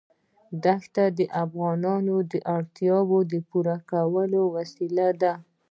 دښتې د افغانانو د اړتیاوو د پوره کولو وسیله ده.